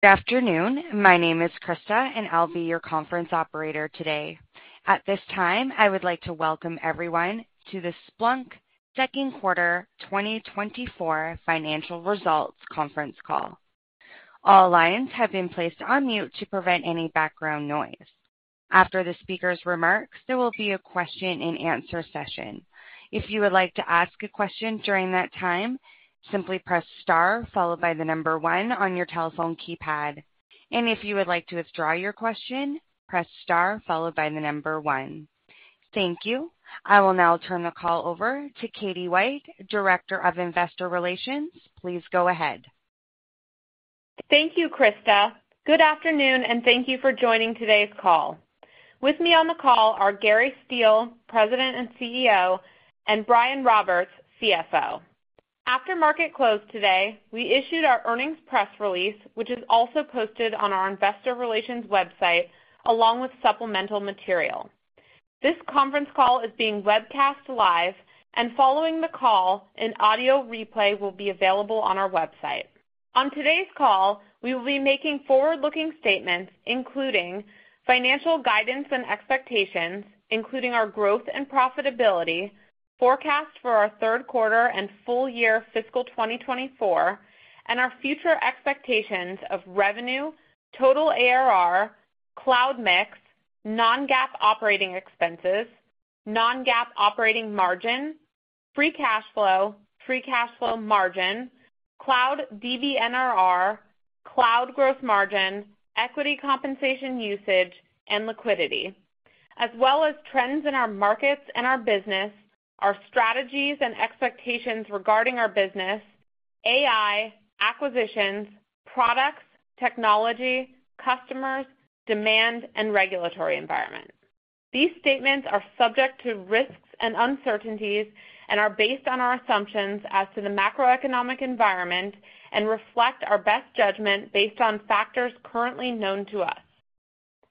Good afternoon. My name is Krista, and I'll be your conference operator today. At this time, I would like to welcome everyone to the Splunk Second Quarter 2024 Financial Results conference call. All lines have been placed on mute to prevent any background noise. After the speaker's remarks, there will be a question-and-answer session. If you would like to ask a question during that time, simply press star followed by the number one on your telephone keypad. And if you would like to withdraw your question, press star followed by the number one. Thank you. I will now turn the call over to Katie White, Director of Investor Relations. Please go ahead. Thank you, Krista. Good afternoon, and thank you for joining today's call. With me on the call are Gary Steele, President and CEO, and Brian Roberts, CFO. After market close today, we issued our earnings press release, which is also posted on our investor relations website, along with supplemental material. This conference call is being webcast live, and following the call, an audio replay will be available on our website. On today's call, we will be making forward-looking statements, including financial guidance and expectations, including our growth and profitability, forecast for our third quarter and full year fiscal 2024, and our future expectations of revenue, total ARR, cloud mix, non-GAAP operating expenses, non-GAAP operating margin, free cash flow, free cash flow margin, Cloud DBNRR, cloud gross margin, equity compensation usage, and liquidity, as well as trends in our markets and our business, our strategies and expectations regarding our business, AI, acquisitions, products, technology, customers, demand, and regulatory environment. These statements are subject to risks and uncertainties and are based on our assumptions as to the macroeconomic environment and reflect our best judgment based on factors currently known to us.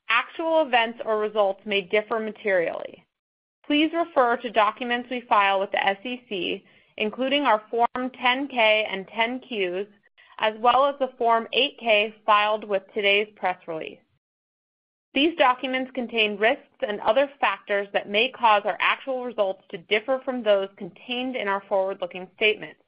Actual events or results may differ materially. Please refer to documents we file with the SEC, including our Form 10-K and 10-Qs, as well as the Form 8-K filed with today's press release. These documents contain risks and other factors that may cause our actual results to differ from those contained in our forward-looking statements.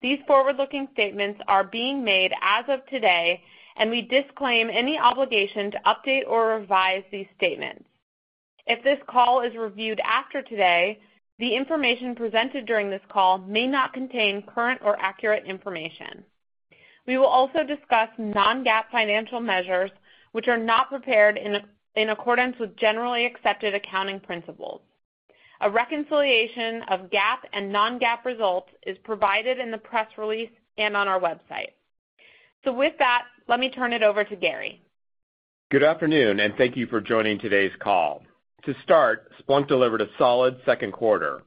These forward-looking statements are being made as of today, and we disclaim any obligation to update or revise these statements. If this call is reviewed after today, the information presented during this call may not contain current or accurate information. We will also discuss non-GAAP financial measures, which are not prepared in accordance with generally accepted accounting principles. A reconciliation of GAAP and non-GAAP results is provided in the press release and on our website. With that, let me turn it over to Gary. Good afternoon. Thank you for joining today's call. To start, Splunk delivered a solid second quarter.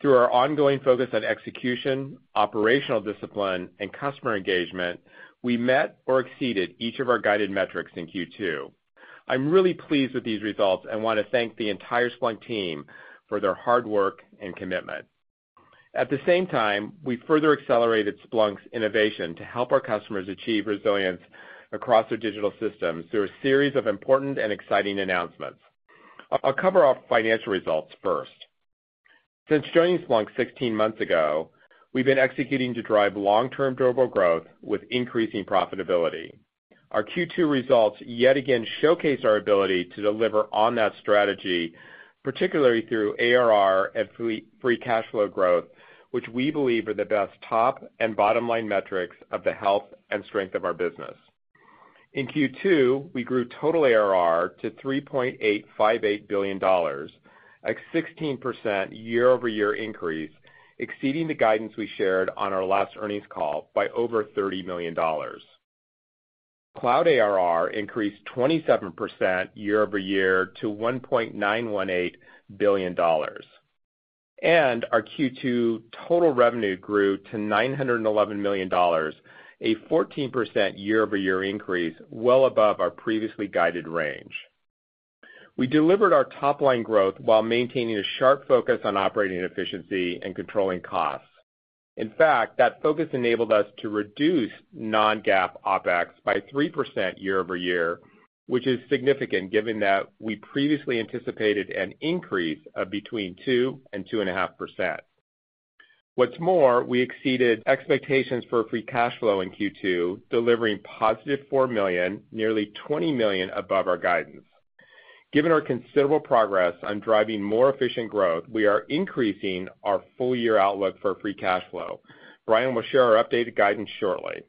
Through our ongoing focus on execution, operational discipline, and customer engagement, we met or exceeded each of our guided metrics in Q2. I'm really pleased with these results and want to thank the entire Splunk team for their hard work and commitment. At the same time, we further accelerated Splunk's innovation to help our customers achieve resilience across their digital systems through a series of important and exciting announcements. I'll cover our financial results first. Since joining Splunk 16 months ago, we've been executing to drive long-term durable growth with increasing profitability. Our Q2 results yet again showcase our ability to deliver on that strategy, particularly through ARR and free, free cash flow growth, which we believe are the best top and bottom-line metrics of the health and strength of our business. In Q2, we grew total ARR to $3.858 billion, a 16% year-over-year increase, exceeding the guidance we shared on our last earnings call by over $30 million. Cloud ARR increased 27% year-over-year to $1.918 billion, and our Q2 total revenue grew to $911 million, a 14% year-over-year increase, well above our previously guided range. We delivered our top-line growth while maintaining a sharp focus on operating efficiency and controlling costs. In fact, that focus enabled us to reduce non-GAAP OpEx by 3% year-over-year, which is significant given that we previously anticipated an increase of between 2%-2.5%. What's more, we exceeded expectations for free cash flow in Q2, delivering positive $4 million, nearly $20 million above our guidance. Given our considerable progress on driving more efficient growth, we are increasing our full-year outlook for free cash flow. Brian will share our updated guidance shortly.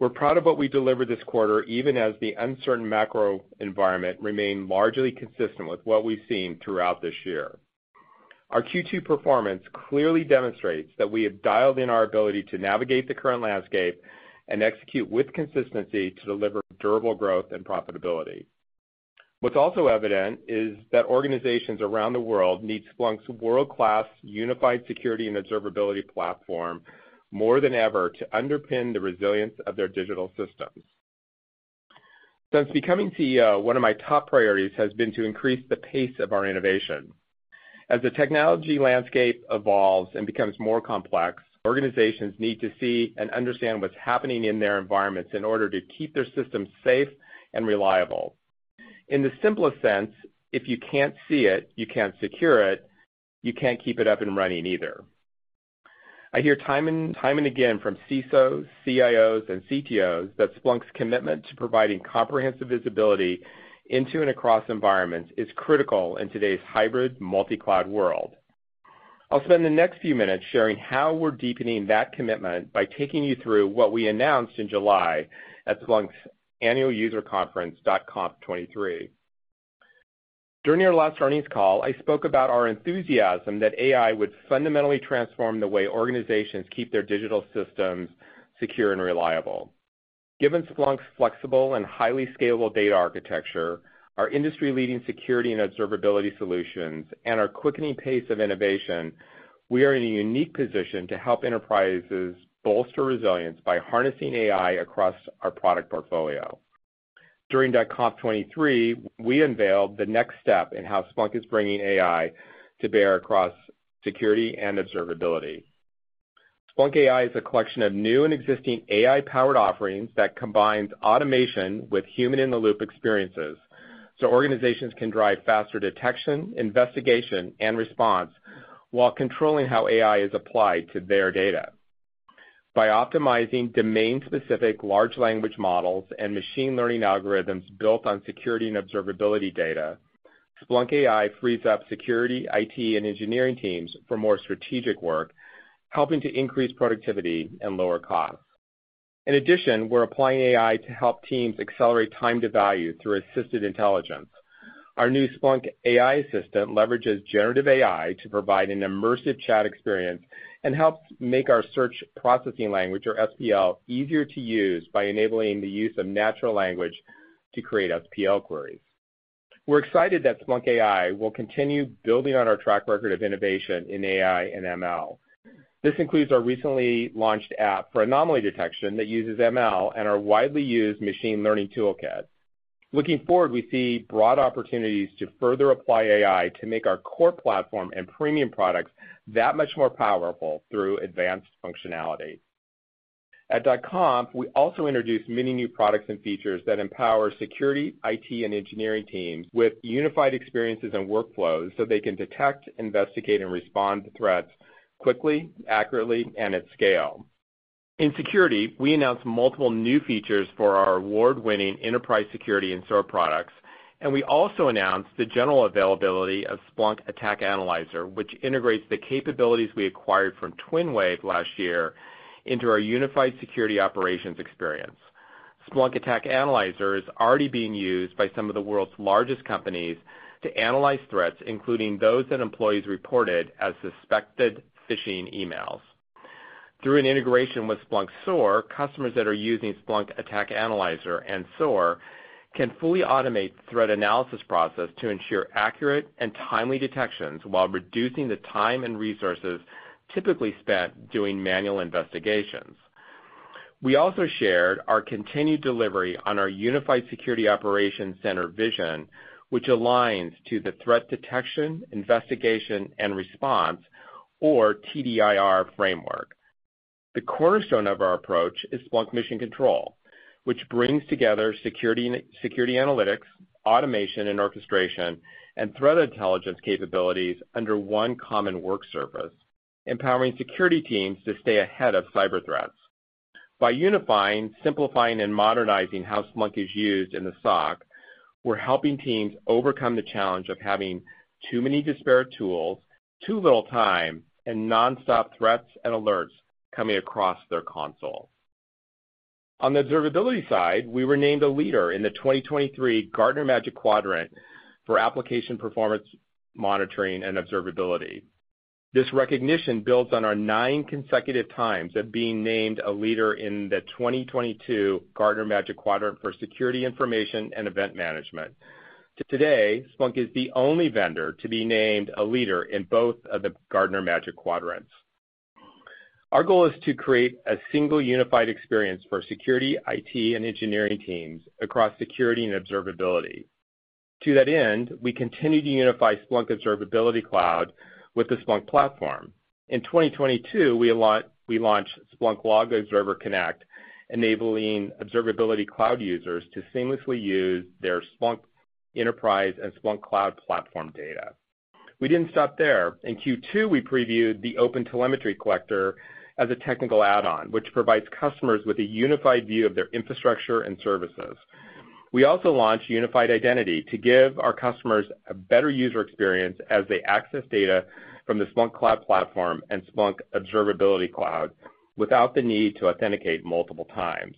We're proud of what we delivered this quarter, even as the uncertain macro environment remained largely consistent with what we've seen throughout this year. Our Q2 performance clearly demonstrates that we have dialed in our ability to navigate the current landscape and execute with consistency to deliver durable growth and profitability. What's also evident is that organizations around the world need Splunk's world-class unified security and observability platform more than ever to underpin the resilience of their digital systems. Since becoming CEO, one of my top priorities has been to increase the pace of our innovation. As the technology landscape evolves and becomes more complex, organizations need to see and understand what's happening in their environments in order to keep their systems safe and reliable. In the simplest sense, if you can't see it, you can't secure it, you can't keep it up and running either. I hear time and time again from CISOs, CIOs, and CTOs that Splunk's commitment to providing comprehensive visibility into and across environments is critical in today's hybrid multi-cloud world. I'll spend the next few minutes sharing how we're deepening that commitment by taking you through what we announced in July at Splunk's annual user conference, .conf23. During our last earnings call, I spoke about our enthusiasm that AI would fundamentally transform the way organizations keep their digital systems secure and reliable. Given Splunk's flexible and highly scalable data architecture, our industry-leading security and observability solutions, and our quickening pace of innovation, we are in a unique position to help enterprises bolster resilience by harnessing AI across our product portfolio. During .conf23, we unveiled the next step in how Splunk is bringing AI to bear across security and observability. Splunk AI is a collection of new and existing AI-powered offerings that combines automation with human-in-the-loop experiences, so organizations can drive faster detection, investigation, and response while controlling how AI is applied to their data. By optimizing domain-specific large language models and machine learning algorithms built on security and observability data, Splunk AI frees up security, IT, and engineering teams for more strategic work, helping to increase productivity and lower costs. In addition, we're applying AI to help teams accelerate time to value through assisted intelligence. Our new Splunk AI Assistant leverages generative AI to provide an immersive chat experience and helps make our Search Processing Language, or SPL, easier to use by enabling the use of natural language to create SPL queries. We're excited that Splunk AI will continue building on our track record of innovation in AI and ML. This includes our recently launched app for anomaly detection that uses ML and our widely used Machine Learning Toolkit. Looking forward, we see broad opportunities to further apply AI to make our core platform and premium products that much more powerful through advanced functionality. At .conf, we also introduced many new products and features that empower security, IT, and engineering teams with unified experiences and workflows, so they can detect, investigate, and respond to threats quickly, accurately, and at scale. In security, we announced multiple new features for our award-winning Splunk Enterprise Security and Splunk SOAR products. We also announced the general availability of Splunk Attack Analyzer, which integrates the capabilities we acquired from TwinWave last year into our unified security operations experience. Splunk Attack Analyzer is already being used by some of the world's largest companies to analyze threats, including those that employees reported as suspected phishing emails. Through an integration with Splunk SOAR, customers that are using Splunk Attack Analyzer and Splunk SOAR can fully automate the threat analysis process to ensure accurate and timely detections while reducing the time and resources typically spent doing manual investigations. We also shared our continued delivery on our unified security operations center vision, which aligns to the threat detection, investigation, and response, or TDIR framework. The cornerstone of our approach is Splunk Mission Control, which brings together security analytics, automation and orchestration, and threat intelligence capabilities under one common work surface, empowering security teams to stay ahead of cyber threats. By unifying, simplifying, and modernizing how Splunk is used in the SOC, we're helping teams overcome the challenge of having too many disparate tools, too little time, and nonstop threats and alerts coming across their console. On the observability side, we were named a leader in the 2023 Gartner Magic Quadrant for Application Performance Monitoring and Observability. This recognition builds on our 9 consecutive times of being named a leader in the 2022 Gartner Magic Quadrant for Security Information and Event Management. To today, Splunk is the only vendor to be named a leader in both of the Gartner Magic Quadrants. Our goal is to create a single unified experience for security, IT, and engineering teams across security and observability. To that end, we continue to unify Splunk Observability Cloud with the Splunk platform. In 2022, we launched Splunk Log Observer Connect, enabling Observability Cloud users to seamlessly use their Splunk Enterprise and Splunk Cloud Platform data. We didn't stop there. In Q2, we previewed the OpenTelemetry Collector as a technical add-on, which provides customers with a unified view of their infrastructure and services. We also launched Unified Identity to give our customers a better user experience as they access data from the Splunk Cloud Platform and Splunk Observability Cloud without the need to authenticate multiple times.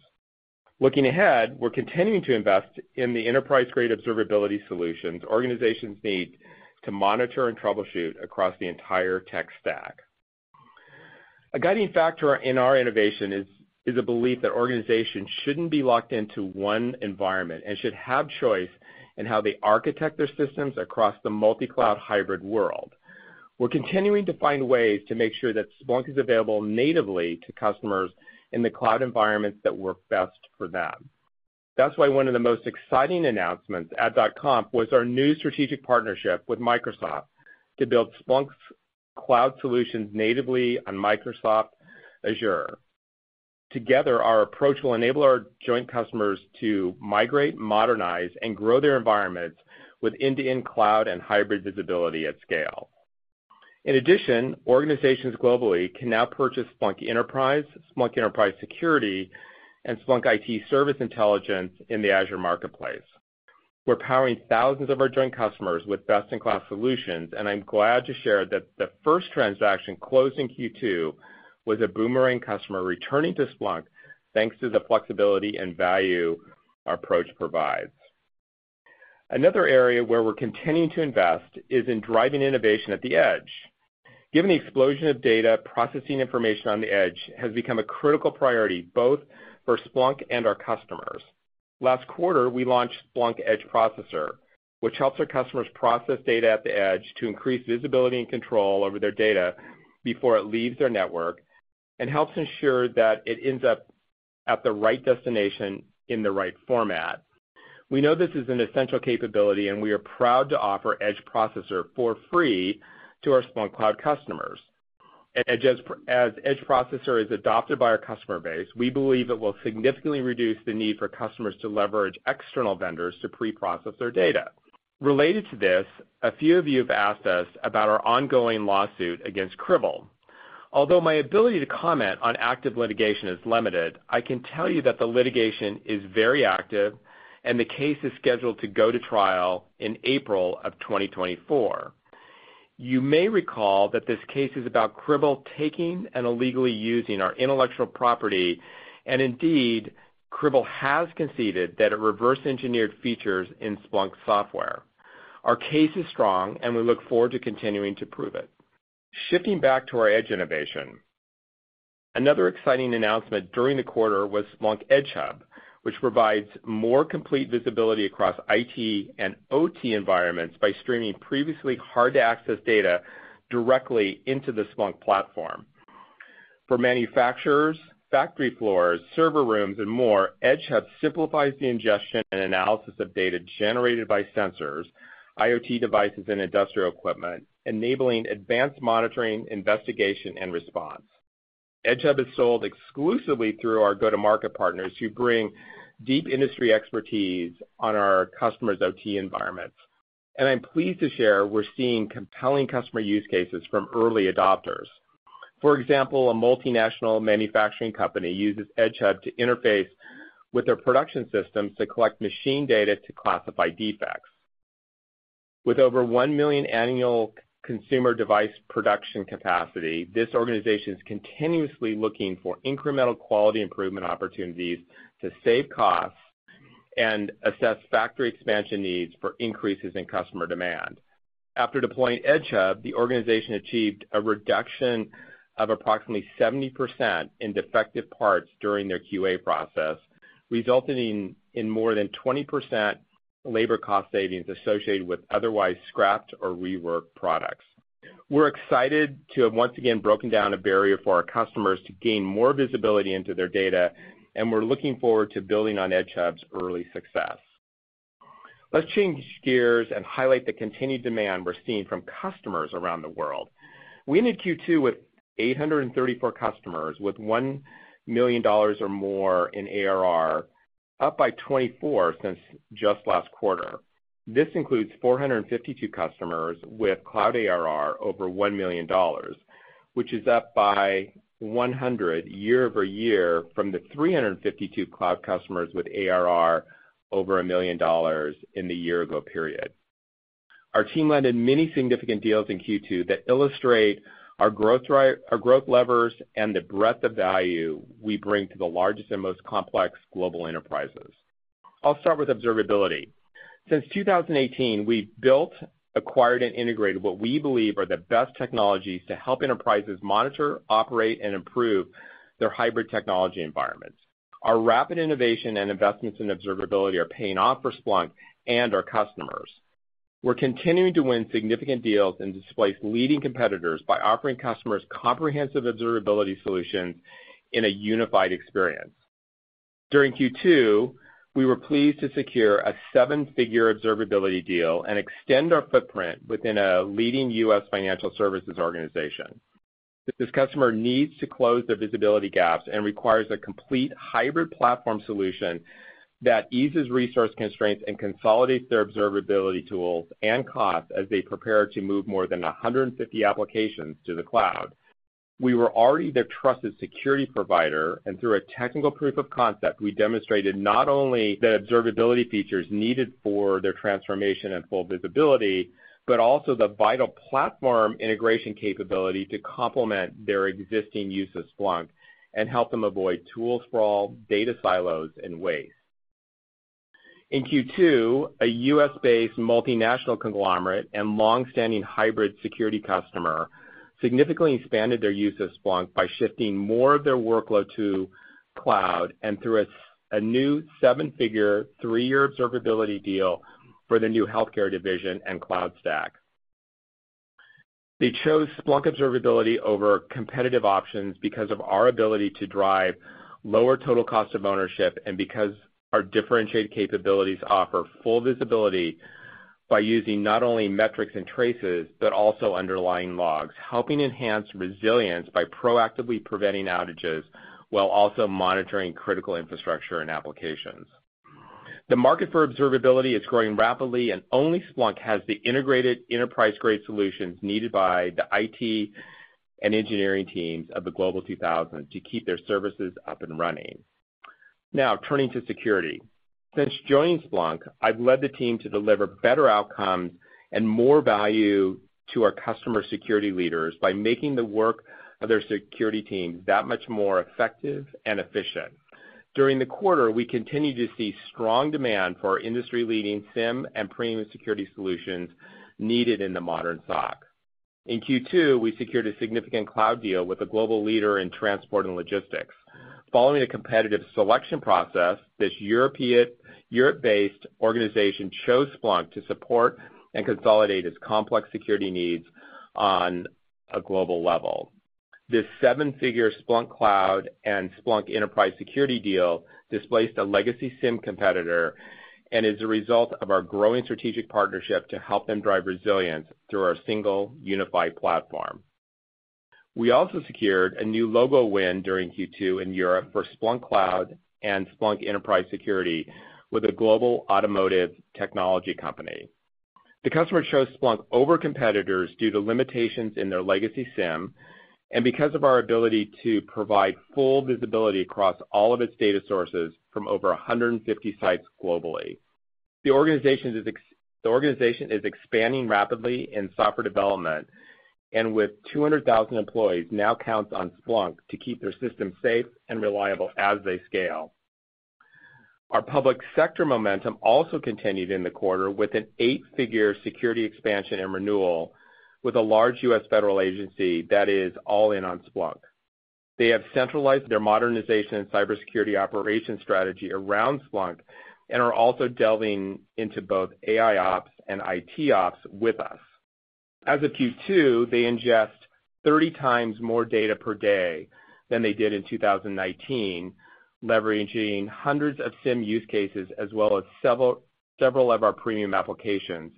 Looking ahead, we're continuing to invest in the enterprise-grade observability solutions organizations need to monitor and troubleshoot across the entire tech stack. A guiding factor in our innovation is a belief that organizations shouldn't be locked into one environment and should have choice in how they architect their systems across the multi-cloud hybrid world. We're continuing to find ways to make sure that Splunk is available natively to customers in the cloud environments that work best for them. That's why one of the most exciting announcements at .conf was our new strategic partnership with Microsoft to build Splunk's cloud solutions natively on Microsoft Azure. Together, our approach will enable our joint customers to migrate, modernize, and grow their environments with end-to-end cloud and hybrid visibility at scale. In addition, organizations globally can now purchase Splunk Enterprise, Splunk Enterprise Security, and Splunk IT Service Intelligence in the Azure Marketplace. We're powering thousands of our joint customers with best-in-class solutions. I'm glad to share that the first transaction closed in Q2 was a boomerang customer returning to Splunk, thanks to the flexibility and value our approach provides. Another area where we're continuing to invest is in driving innovation at the edge. Given the explosion of data, processing information on the edge has become a critical priority, both for Splunk and our customers. Last quarter, we launched Splunk Edge Processor, which helps our customers process data at the edge to increase visibility and control over their data before it leaves their network. It helps ensure that it ends up at the right destination in the right format. We know this is an essential capability. We are proud to offer Edge Processor for free to our Splunk Cloud customers. As Edge Processor is adopted by our customer base, we believe it will significantly reduce the need for customers to leverage external vendors to pre-process their data. Related to this, a few of you have asked us about our ongoing lawsuit against Cribl. Although my ability to comment on active litigation is limited, I can tell you that the litigation is very active, and the case is scheduled to go to trial in April of 2024. You may recall that this case is about Cribl taking and illegally using our intellectual property, and indeed, Cribl has conceded that it reverse-engineered features in Splunk software. Our case is strong, and we look forward to continuing to prove it. Shifting back to our edge innovation, another exciting announcement during the quarter was Splunk Edge Hub, which provides more complete visibility across IT and OT environments by streaming previously hard-to-access data directly into the Splunk platform. For manufacturers, factory floors, server rooms, and more, Edge Hub simplifies the ingestion and analysis of data generated by sensors, IoT devices, and industrial equipment, enabling advanced monitoring, investigation, and response. Edge Hub is sold exclusively through our go-to-market partners, who bring deep industry expertise on our customers' OT environments. I'm pleased to share we're seeing compelling customer use cases from early adopters. For example, a multinational manufacturing company uses Edge Hub to interface with their production systems to collect machine data to classify defects. With over 1 million annual consumer device production capacity, this organization is continuously looking for incremental quality improvement opportunities to save costs and assess factory expansion needs for increases in customer demand. After deploying Edge Hub, the organization achieved a reduction of approximately 70% in defective parts during their QA process, resulting in more than 20% labor cost savings associated with otherwise scrapped or reworked products. We're excited to have once again broken down a barrier for our customers to gain more visibility into their data, and we're looking forward to building on Edge Hub's early success. Let's change gears and highlight the continued demand we're seeing from customers around the world. We ended Q2 with 834 customers, with $1 million or more in ARR, up by 24 since just last quarter. This includes 452 customers with Cloud ARR over $1 million, which is up by 100 year-over-year from the 352 cloud customers with ARR over $1 million in the year-ago period. Our team landed many significant deals in Q2 that illustrate our growth our growth levers, and the breadth of value we bring to the largest and most complex global enterprises. I'll start with observability. Since 2018, we've built, acquired, and integrated what we believe are the best technologies to help enterprises monitor, operate, and improve their hybrid technology environments. Our rapid innovation and investments in observability are paying off for Splunk and our customers. We're continuing to win significant deals and displace leading competitors by offering customers comprehensive observability solutions in a unified experience. During Q2, we were pleased to secure a seven-figure observability deal and extend our footprint within a leading US financial services organization. This customer needs to close their visibility gaps and requires a complete hybrid platform solution that eases resource constraints and consolidates their observability tools and costs as they prepare to move more than 150 applications to the cloud. We were already their trusted security provider, and through a technical proof of concept, we demonstrated not only the observability features needed for their transformation and full visibility, but also the vital platform integration capability to complement their existing use of Splunk and help them avoid tool sprawl, data silos, and waste. In Q2, a US-based multinational conglomerate and long-standing hybrid security customer-... significantly expanded their use of Splunk by shifting more of their workload to cloud and through a, a new 7-figure, 3-year observability deal for the new healthcare division and cloud stack. They chose Splunk Observability over competitive options because of our ability to drive lower total cost of ownership, and because our differentiated capabilities offer full visibility by using not only metrics and traces, but also underlying logs, helping enhance resilience by proactively preventing outages, while also monitoring critical infrastructure and applications. The market for observability is growing rapidly, and only Splunk has the integrated enterprise-grade solutions needed by the IT and engineering teams of the Global 2000 to keep their services up and running. Now, turning to security. Since joining Splunk, I've led the team to deliver better outcomes and more value to our customer security leaders by making the work of their security team that much more effective and efficient. During the quarter, we continued to see strong demand for our industry-leading SIEM and premium security solutions needed in the modern SOC. In Q2, we secured a significant cloud deal with a global leader in transport and logistics. Following a competitive selection process, this Europe-based organization chose Splunk to support and consolidate its complex security needs on a global level. This seven-figure Splunk Cloud and Splunk Enterprise Security deal displaced a legacy SIEM competitor, and is a result of our growing strategic partnership to help them drive resilience through our single unified platform. We also secured a new logo win during Q2 in Europe for Splunk Cloud and Splunk Enterprise Security with a global automotive technology company. The customer chose Splunk over competitors due to limitations in their legacy SIEM, and because of our ability to provide full visibility across all of its data sources from over 150 sites globally. The organization is expanding rapidly in software development, and with 200,000 employees, now counts on Splunk to keep their system safe and reliable as they scale. Our public sector momentum also continued in the quarter with an eight-figure security expansion and renewal with a large US federal agency that is all in on Splunk. They have centralized their modernization and cybersecurity operations strategy around Splunk, and are also delving into both AIOps and ITOps with us. As of Q2, they ingest 30 times more data per day than they did in 2019, leveraging hundreds of SIEM use cases, as well as several of our premium applications,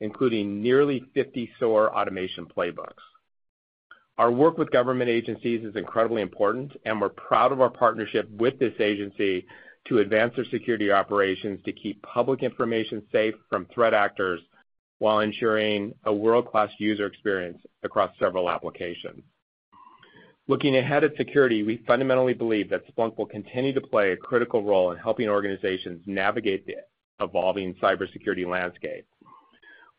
including nearly 50 SOAR automation playbooks. Our work with government agencies is incredibly important. We're proud of our partnership with this agency to advance their security operations to keep public information safe from threat actors, while ensuring a world-class user experience across several applications. Looking ahead at security, we fundamentally believe that Splunk will continue to play a critical role in helping organizations navigate the evolving cybersecurity landscape.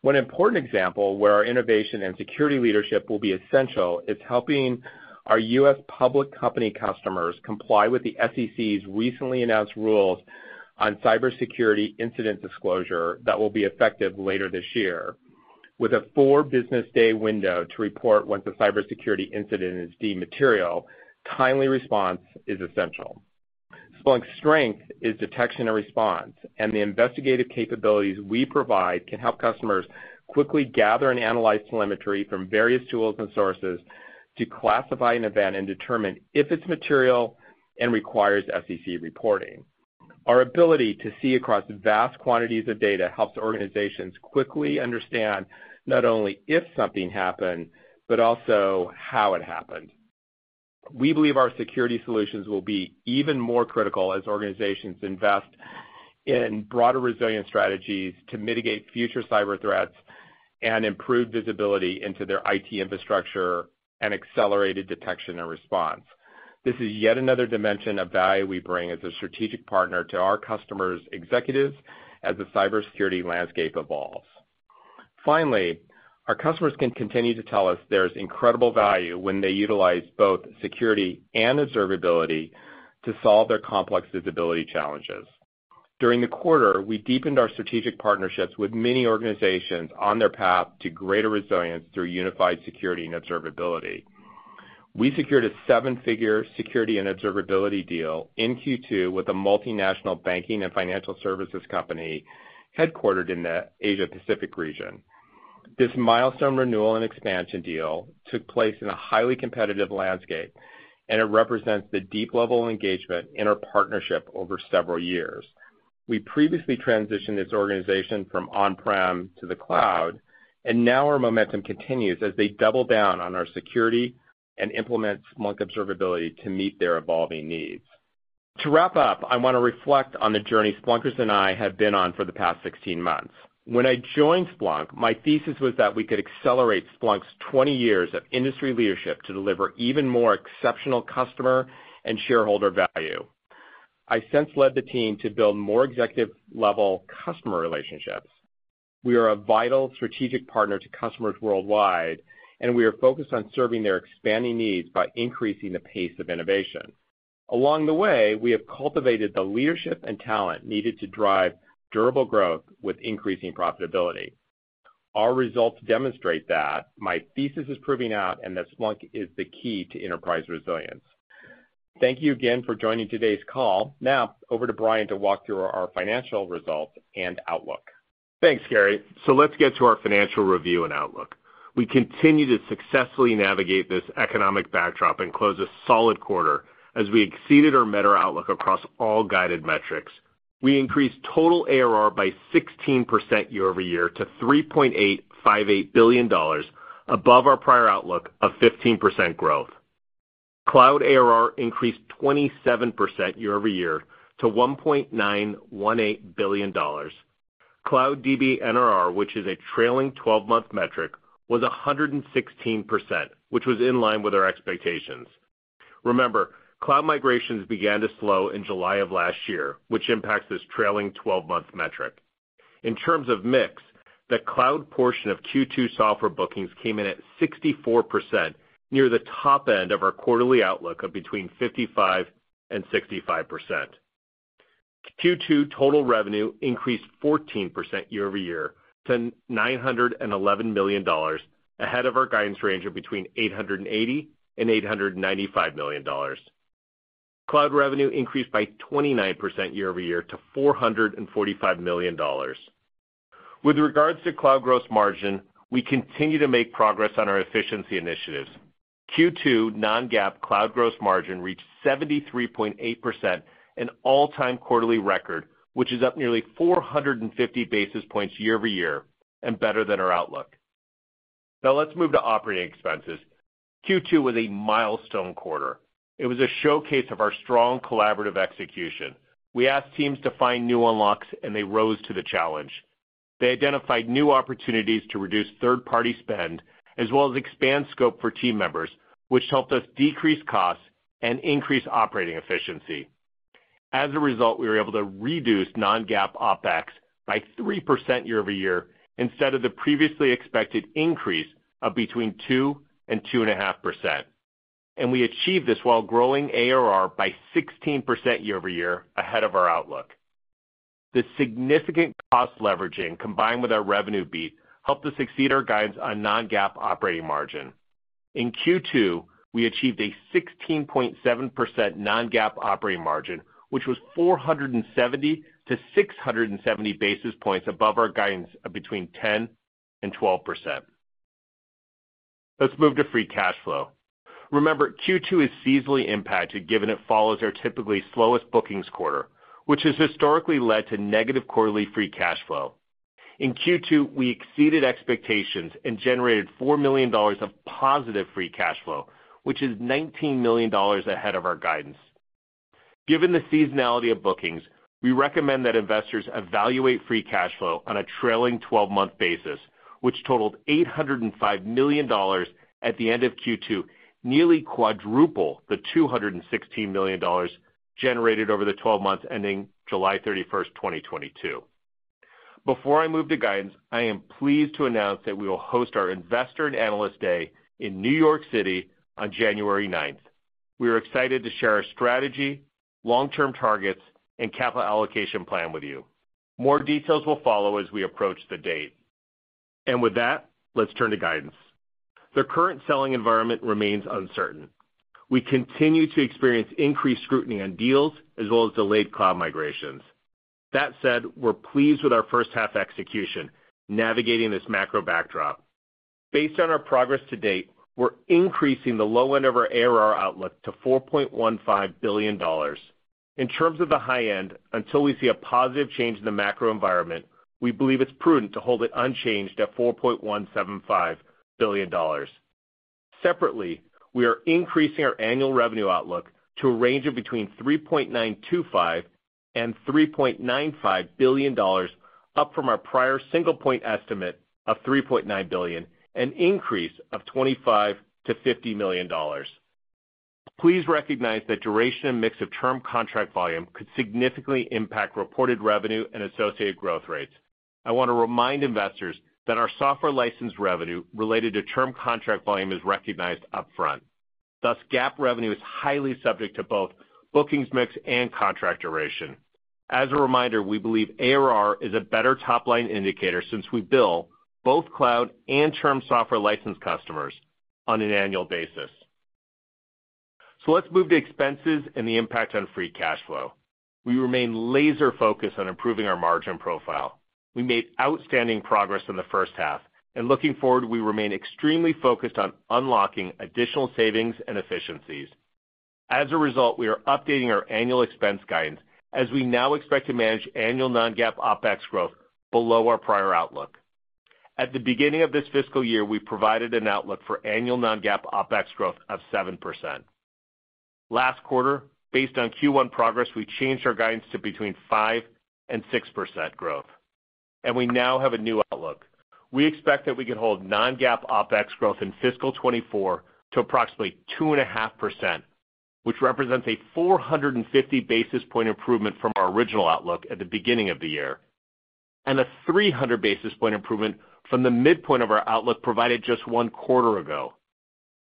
One important example where our innovation and security leadership will be essential, is helping our US public company customers comply with the SEC's recently announced rules on cybersecurity incident disclosure that will be effective later this year. With a 4-business day window to report once a cybersecurity incident is deemed material, timely response is essential. Splunk's strength is detection and response, and the investigative capabilities we provide can help customers quickly gather and analyze telemetry from various tools and sources to classify an event and determine if it's material and requires SEC reporting. Our ability to see across vast quantities of data helps organizations quickly understand not only if something happened, but also how it happened. We believe our security solutions will be even more critical as organizations invest in broader resilience strategies to mitigate future cyber threats and improve visibility into their IT infrastructure, and accelerated detection and response. This is yet another dimension of value we bring as a strategic partner to our customers' executives as the cybersecurity landscape evolves. Our customers can continue to tell us there's incredible value when they utilize both security and observability to solve their complex visibility challenges. During the quarter, we deepened our strategic partnerships with many organizations on their path to greater resilience through unified security and observability. We secured a seven-figure security and observability deal in Q2 with a multinational banking and financial services company headquartered in the Asia Pacific region. This milestone renewal and expansion deal took place in a highly competitive landscape, it represents the deep level of engagement in our partnership over several years. We previously transitioned this organization from on-prem to the cloud, now our momentum continues as they double down on our security and implement Splunk Observability to meet their evolving needs. To wrap up, I want to reflect on the journey Splunkers and I have been on for the past 16 months. When I joined Splunk, my thesis was that we could accelerate Splunk's 20 years of industry leadership to deliver even more exceptional customer and shareholder value. I since led the team to build more executive-level customer relationships. We are a vital strategic partner to customers worldwide, and we are focused on serving their expanding needs by increasing the pace of innovation. Along the way, we have cultivated the leadership and talent needed to drive durable growth with increasing profitability. Our results demonstrate that my thesis is proving out, and that Splunk is the key to enterprise resilience. Thank you again for joining today's call. Now, over to Brian to walk through our financial results and outlook. Thanks, Gary. Let's get to our financial review and outlook. We continue to successfully navigate this economic backdrop and close a solid quarter as we exceeded our May outlook across all guided metrics. We increased total ARR by 16% year over year to $3.858 billion, above our prior outlook of 15% growth. Cloud ARR increased 27% year over year to $1.918 billion. Cloud DBNRR, which is a trailing 12-month metric, was 116%, which was in line with our expectations. Remember, cloud migrations began to slow in July of last year, which impacts this trailing 12-month metric. In terms of mix, the cloud portion of Q2 software bookings came in at 64%, near the top end of our quarterly outlook of between 55% and 65%. Q2 total revenue increased 14% year over year to $911 million, ahead of our guidance range of between $880 million and $895 million. Cloud revenue increased by 29% year over year to $445 million. With regards to cloud gross margin, we continue to make progress on our efficiency initiatives. Q2 non-GAAP cloud gross margin reached 73.8%, an all-time quarterly record, which is up nearly 450 basis points year over year, and better than our outlook. Let's move to operating expenses. Q2 was a milestone quarter. It was a showcase of our strong collaborative execution. We asked teams to find new unlocks, and they rose to the challenge. They identified new opportunities to reduce third-party spend, as well as expand scope for team members, which helped us decrease costs and increase operating efficiency. As a result, we were able to reduce non-GAAP OpEx by 3% year-over-year, instead of the previously expected increase of between 2% and 2.5%. We achieved this while growing ARR by 16% year-over-year ahead of our outlook. The significant cost leveraging, combined with our revenue beat, helped us exceed our guidance on non-GAAP operating margin. In Q2, we achieved a 16.7% non-GAAP operating margin, which was 470-670 basis points above our guidance of between 10% and 12%. Let's move to free cash flow. Remember, Q2 is seasonally impacted, given it follows our typically slowest bookings quarter, which has historically led to negative quarterly free cash flow. In Q2, we exceeded expectations and generated $4 million of positive free cash flow, which is $19 million ahead of our guidance. Given the seasonality of bookings, we recommend that investors evaluate free cash flow on a trailing twelve-month basis, which totaled $805 million at the end of Q2, nearly quadruple the $216 million generated over the twelve months ending July 31, 2022. Before I move to guidance, I am pleased to announce that we will host our Investor & Analyst Session in New York City on January 9. We are excited to share our strategy, long-term targets, and capital allocation plan with you. More details will follow as we approach the date. With that, let's turn to guidance. The current selling environment remains uncertain. We continue to experience increased scrutiny on deals as well as delayed cloud migrations. That said, we're pleased with our first half execution, navigating this macro backdrop. Based on our progress to date, we're increasing the low end of our ARR outlook to $4.15 billion. In terms of the high end, until we see a positive change in the macro environment, we believe it's prudent to hold it unchanged at $4.175 billion. Separately, we are increasing our annual revenue outlook to a range of between $3.925 billion and $3.95 billion, up from our prior single point estimate of $3.9 billion, an increase of $25 million-$50 million. Please recognize that duration and mix of term contract volume could significantly impact reported revenue and associated growth rates. I want to remind investors that our software license revenue related to term contract volume is recognized upfront. Thus, GAAP revenue is highly subject to both bookings, mix, and contract duration. As a reminder, we believe ARR is a better top-line indicator since we bill both cloud and term software license customers on an annual basis. Let's move to expenses and the impact on free cash flow. We remain laser focused on improving our margin profile. We made outstanding progress in the first half, and looking forward, we remain extremely focused on unlocking additional savings and efficiencies. As a result, we are updating our annual expense guidance as we now expect to manage annual non-GAAP OpEx growth below our prior outlook. At the beginning of this fiscal year, we provided an outlook for annual non-GAAP OpEx growth of 7%. Last quarter, based on Q1 progress, we changed our guidance to between 5% and 6% growth, and we now have a new outlook. We expect that we can hold non-GAAP OpEx growth in fiscal 2024 to approximately 2.5%, which represents a 450 basis point improvement from our original outlook at the beginning of the year. A 300 basis point improvement from the midpoint of our outlook provided just 1 quarter ago.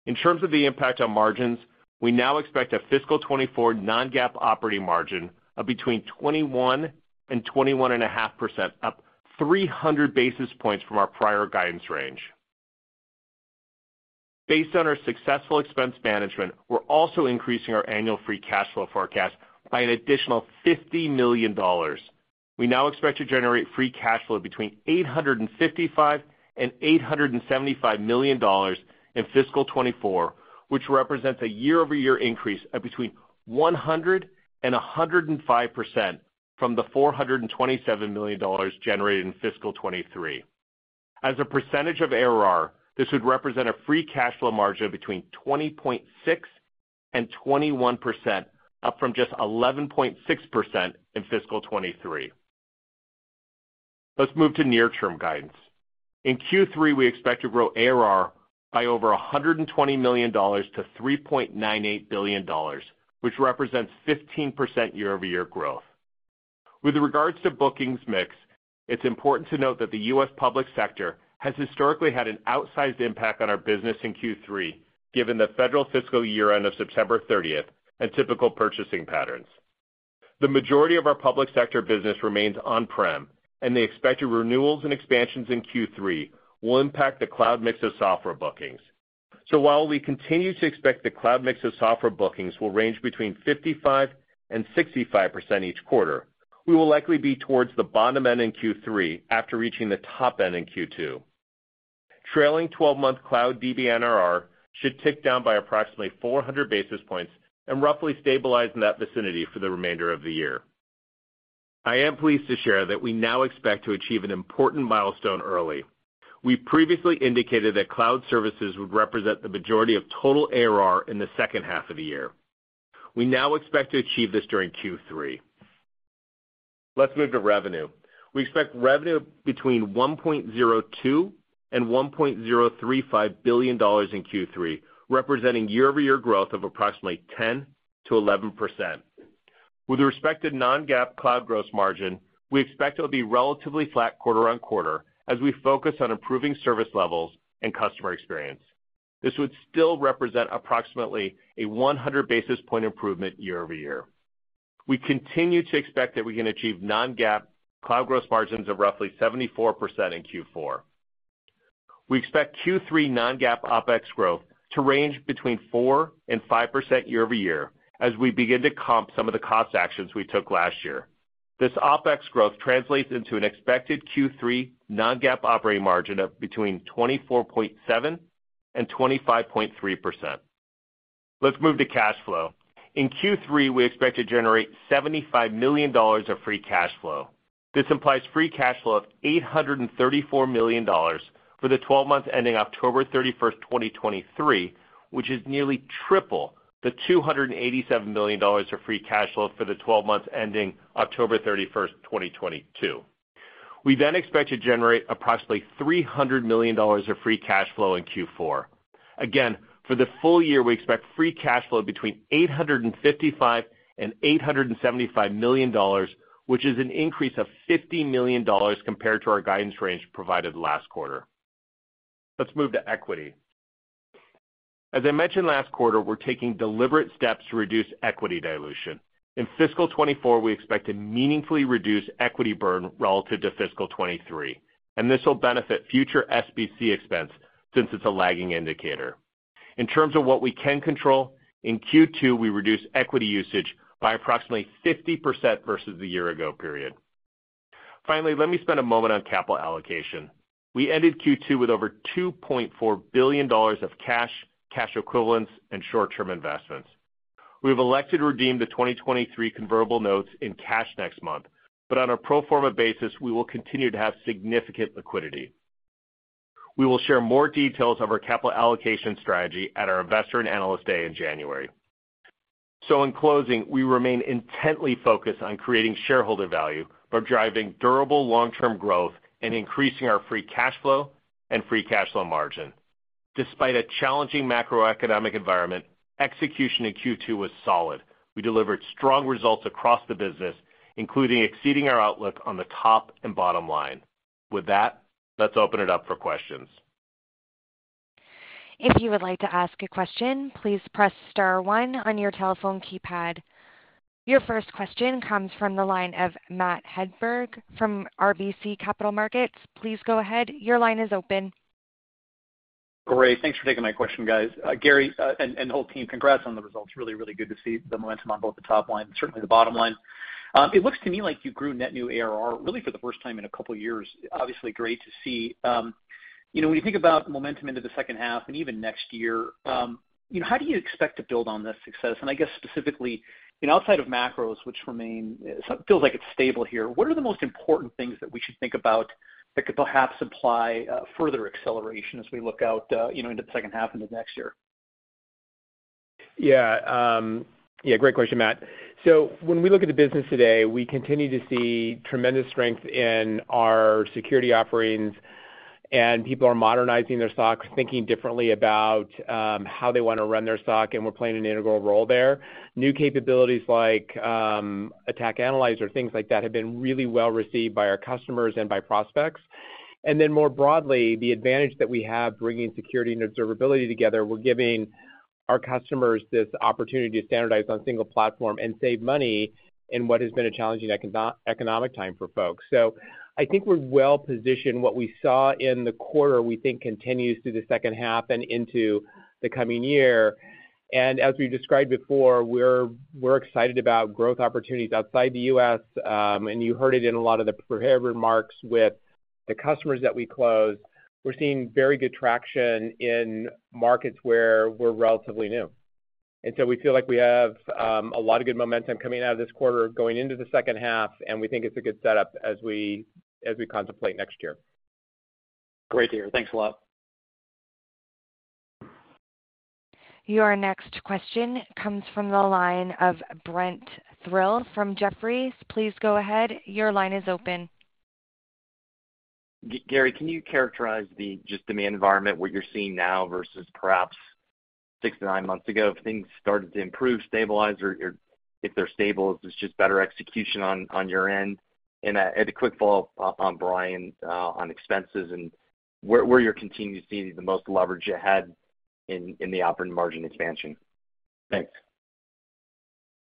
In terms of the impact on margins, we now expect a fiscal 2024 non-GAAP operating margin of between 21% and 21.5%, up 300 basis points from our prior guidance range. Based on our successful expense management, we're also increasing our annual free cash flow forecast by an additional $50 million. We now expect to generate free cash flow between $855 million-$875 million in fiscal 2024, which represents a year-over-year increase of between 100%-105% from the $427 million generated in fiscal 2023. As a percentage of ARR, this would represent a free cash flow margin of between 20.6%-21%, up from just 11.6% in fiscal 2023. Let's move to near-term guidance. In Q3, we expect to grow ARR by over $120 million to $3.98 billion, which represents 15% year-over-year growth. With regards to bookings mix, it's important to note that the US public sector has historically had an outsized impact on our business in Q3, given the federal fiscal year-end of September 30th and typical purchasing patterns. The majority of our public sector business remains on-prem, and the expected renewals and expansions in Q3 will impact the cloud mix of software bookings. While we continue to expect the cloud mix of software bookings will range between 55% and 65% each quarter, we will likely be towards the bottom end in Q3 after reaching the top end in Q2. Trailing 12-month cloud DBNRR should tick down by approximately 400 basis points and roughly stabilize in that vicinity for the remainder of the year. I am pleased to share that we now expect to achieve an important milestone early. We previously indicated that cloud services would represent the majority of total ARR in the second half of the year. We now expect to achieve this during Q3. Let's move to revenue. We expect revenue between $1.02 billion and $1.035 billion in Q3, representing year-over-year growth of approximately 10%-11%. With respect to non-GAAP cloud gross margin, we expect it will be relatively flat quarter-over-quarter as we focus on improving service levels and customer experience. This would still represent approximately a 100 basis point improvement year-over-year. We continue to expect that we can achieve non-GAAP cloud gross margins of roughly 74% in Q4. We expect Q3 non-GAAP OpEx growth to range between 4% and 5% year-over-year as we begin to comp some of the cost actions we took last year. This OpEx growth translates into an expected Q3 non-GAAP operating margin of between 24.7% and 25.3%. Let's move to cash flow. In Q3, we expect to generate $75 million of free cash flow. This implies free cash flow of $834 million for the 12 months ending October 31st, 2023, which is nearly triple the $287 million of free cash flow for the 12 months ending October 31st, 2022. We expect to generate approximately $300 million of free cash flow in Q4. Again, for the full year, we expect free cash flow between $855 million and $875 million, which is an increase of $50 million compared to our guidance range provided last quarter. Let's move to equity. As I mentioned last quarter, we're taking deliberate steps to reduce equity dilution. In fiscal 2024, we expect to meaningfully reduce equity burn relative to fiscal 2023. This will benefit future SBC expense since it's a lagging indicator. In terms of what we can control, in Q2, we reduced equity usage by approximately 50% versus the year ago period. Finally, let me spend a moment on capital allocation. We ended Q2 with over $2.4 billion of cash, cash equivalents, and short-term investments. We have elected to redeem the 2023 convertible notes in cash next month. On a pro forma basis, we will continue to have significant liquidity. We will share more details of our capital allocation strategy at our Investor & Analyst Session in January. In closing, we remain intently focused on creating shareholder value by driving durable long-term growth and increasing our free cash flow and free cash flow margin. Despite a challenging macroeconomic environment, execution in Q2 was solid. We delivered strong results across the business, including exceeding our outlook on the top and bottom line. With that, let's open it up for questions. If you would like to ask a question, please press star one on your telephone keypad. Your first question comes from the line of Matthew Hedberg from RBC Capital Markets. Please go ahead. Your line is open. Great. Thanks for taking my question, guys. Gary, and, and the whole team, congrats on the results. Really, really good to see the momentum on both the top line, certainly the bottom line. It looks to me like you grew net new ARR, really for the first time in a couple of years. Obviously, great to see. You know, when you think about momentum into the second half and even next year, you know, how do you expect to build on this success? I guess specifically, you know, outside of macros, which it feels like it's stable here, what are the most important things that we should think about that could perhaps apply, further acceleration as we look out, you know, into the second half into next year? Yeah, yeah, great question, Matt. When we look at the business today, we continue to see tremendous strength in our security offerings. ... and people are modernizing their SOCs, thinking differently about, how they want to run their SOC, and we're playing an integral role there. New capabilities like, Attack Analyzer, things like that, have been really well received by our customers and by prospects. Then more broadly, the advantage that we have, bringing security and observability together, we're giving our customers this opportunity to standardize on a single platform and save money in what has been a challenging economic time for folks. I think we're well positioned. What we saw in the quarter, we think, continues through the second half and into the coming year. As we described before, we're, we're excited about growth opportunities outside the US, and you heard it in a lot of the prepared remarks with the customers that we closed. We're seeing very good traction in markets where we're relatively new. So we feel like we have, a lot of good momentum coming out of this quarter, going into the second half, and we think it's a good setup as we, as we contemplate next year. Great, Gary. Thanks a lot. Your next question comes from the line of Brent Thill from Jefferies. Please go ahead. Your line is open. Gary, can you characterize the, just the main environment, what you're seeing now versus perhaps six to nine months ago, if things started to improve, stabilize, or, or if they're stable, is this just better execution on, on your end? A quick follow-up on Brian, on expenses and where, where you're continuing to see the most leverage ahead in, in the operating margin expansion? Thanks.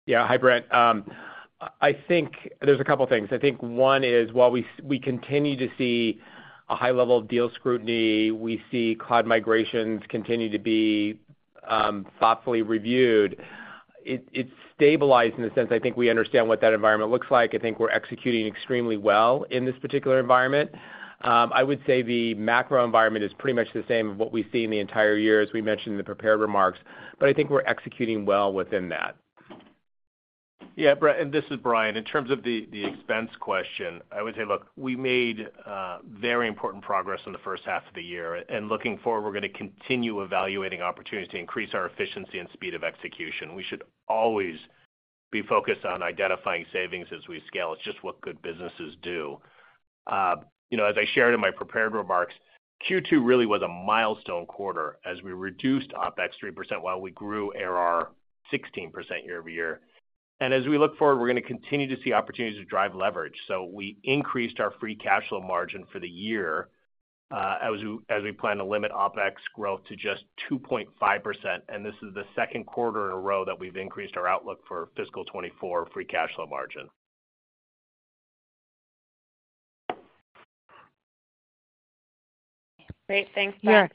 Yeah. Hi, Brent. I think there's a couple things. I think one is, while we continue to see a high level of deal scrutiny, we see cloud migrations continue to be thoughtfully reviewed. It's stabilized in the sense I think we understand what that environment looks like. I think we're executing extremely well in this particular environment. I would say the macro environment is pretty much the same of what we've seen the entire year, as we mentioned in the prepared remarks, but I think we're executing well within that. Yeah, Brent, this is Brian. In terms of the, the expense question, I would say, look, we made very important progress in the first half of the year, looking forward, we're going to continue evaluating opportunities to increase our efficiency and speed of execution. We should always be focused on identifying savings as we scale. It's just what good businesses do. You know, as I shared in my prepared remarks, Q2 really was a milestone quarter as we reduced OpEx 3% while we grew ARR 16% year-over-year. As we look forward, we're going to continue to see opportunities to drive leverage. We increased our free cash flow margin for the year, as we, as we plan to limit OpEx growth to just 2.5%. This is the second quarter in a row that we've increased our outlook for fiscal 2024 free cash flow margin. Great. Thanks, Brian.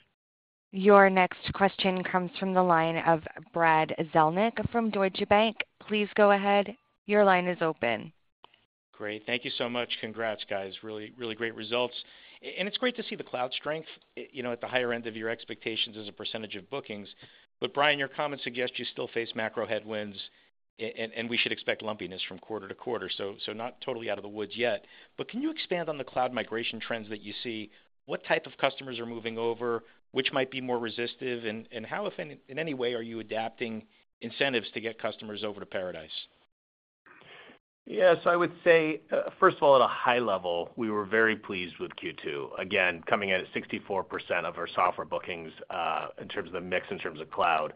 Your next question comes from the line of Brad Zelnick from Deutsche Bank. Please go ahead. Your line is open. Great. Thank you so much. Congrats, guys. Really, really great results. It's great to see the cloud strength, you know, at the higher end of your expectations as a percentage of bookings. Brian, your comments suggest you still face macro headwinds, and, and we should expect lumpiness from quarter to quarter, so, so not totally out of the woods yet. Can you expand on the cloud migration trends that you see? What type of customers are moving over, which might be more resistive, and, and how, if in, in any way, are you adapting incentives to get customers over to Paradise? Yes, I would say, first of all, at a high level, we were very pleased with Q2, again, coming in at 64% of our software bookings, in terms of the mix, in terms of cloud.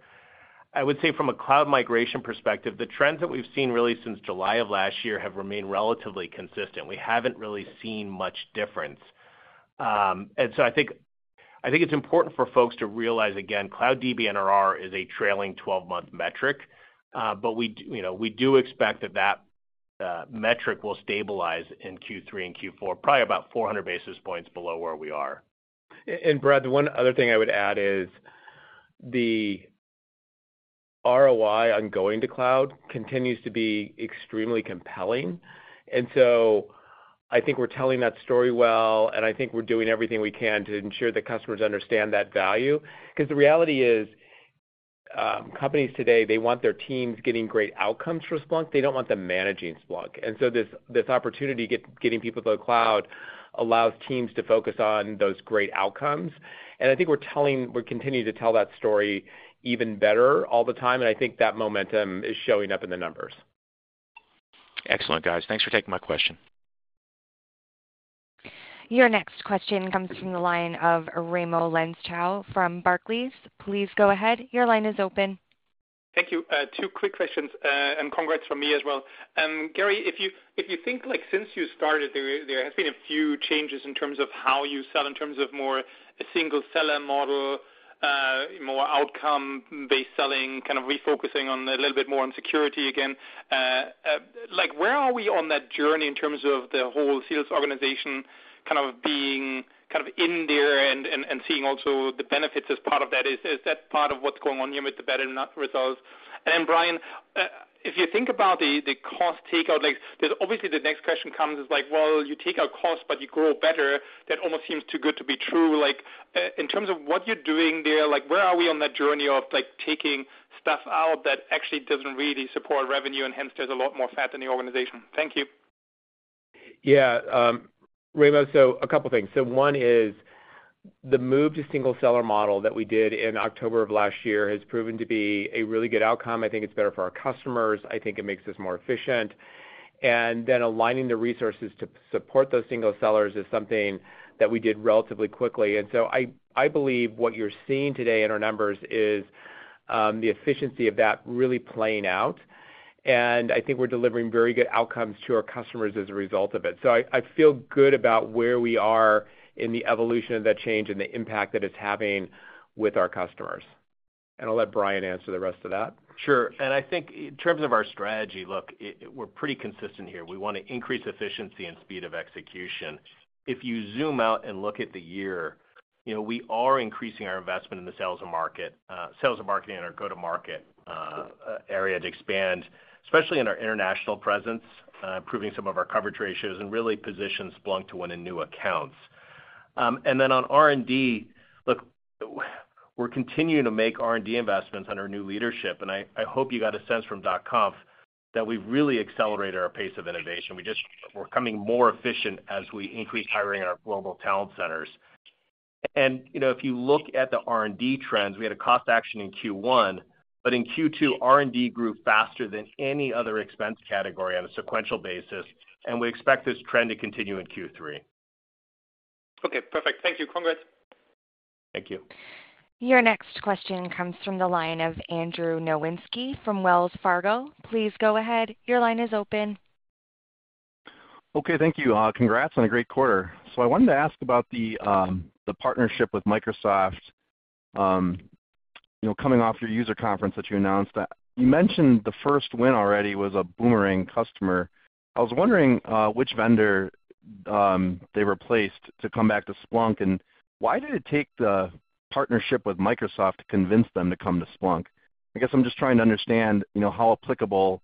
I would say from a cloud migration perspective, the trends that we've seen really since July of last year have remained relatively consistent. We haven't really seen much difference. I think, I think it's important for folks to realize, again, Cloud DBNRR is a trailing 12-month metric, but we do, you know, we do expect that, that, metric will stabilize in Q3 and Q4, probably about 400 basis points below where we are. Brad, the one other thing I would add is the ROI on going to cloud continues to be extremely compelling. So I think we're telling that story well, and I think we're doing everything we can to ensure that customers understand that value. Because the reality is, companies today, they want their teams getting great outcomes from Splunk. They don't want them managing Splunk. So this, this opportunity getting people to the cloud allows teams to focus on those great outcomes. I think we're continuing to tell that story even better all the time, and I think that momentum is showing up in the numbers. Excellent, guys. Thanks for taking my question. Your next question comes from the line of Raimo Lenschow from Barclays. Please go ahead. Your line is open. Thank you. Two quick questions, and congrats from me as well. Gary, if you, if you think, since you started there, there has been a few changes in terms of how you sell, in terms of more a single seller model, more outcome-based selling, kind of refocusing on a little bit more on security again, where are we on that journey in terms of the whole sales organization kind of being kind of in there and seeing also the benefits as part of that? Is that part of what's going on here with the better than not results? Brian, if you think about the cost takeout, obviously the next question comes is, well, you take out cost, but you grow better. That almost seems too good to be true. Like, in terms of what you're doing there, like, where are we on that journey of, like, taking stuff out that actually doesn't really support revenue, and hence there's a lot more fat in the organization? Thank you. Yeah, Raimo, so a couple things. One is.... the move to single seller model that we did in October of last year has proven to be a really good outcome. I think it's better for our customers. I think it makes us more efficient. Aligning the resources to support those single sellers is something that we did relatively quickly. I, I believe what you're seeing today in our numbers is the efficiency of that really playing out, and I think we're delivering very good outcomes to our customers as a result of it. I, I feel good about where we are in the evolution of that change and the impact that it's having with our customers. I'll let Brian answer the rest of that. Sure. I think in terms of our strategy, look, we're pretty consistent here. We want to increase efficiency and speed of execution. If you zoom out and look at the year, you know, we are increasing our investment in the sales and market, sales and marketing and our go-to-market area to expand, especially in our international presence, improving some of our coverage ratios and really position Splunk to win in new accounts. Then on R&D, look, we're continuing to make R&D investments under new leadership, and I, I hope you got a sense from .conf that we've really accelerated our pace of innovation. We're becoming more efficient as we increase hiring our global talent centers. You know, if you look at the R&D trends, we had a cost action in Q1, but in Q2, R&D grew faster than any other expense category on a sequential basis, and we expect this trend to continue in Q3. Okay, perfect. Thank you. Congrats! Thank you. Your next question comes from the line of Andrew Nowinski from Wells Fargo. Please go ahead. Your line is open. Okay, thank you. Congrats on a great quarter. I wanted to ask about the partnership with Microsoft. You know, coming off your user conference that you announced that you mentioned the first win already was a boomerang customer. I was wondering which vendor they replaced to come back to Splunk, and why did it take the partnership with Microsoft to convince them to come to Splunk? I guess I'm just trying to understand, you know, how applicable